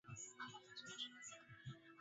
Katibu Mkuu alisema kuwa serikali inawadhamini